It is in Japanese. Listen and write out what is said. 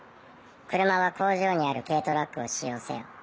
車は工場にある軽トラックを使用せよ。